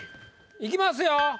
いきますよ